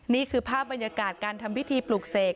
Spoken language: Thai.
นี่คือภาพบรรยากาศการทำพิธีปลูกเสก